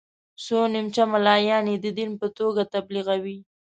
خو نیمچه ملایان یې د دین په توګه تبلیغوي.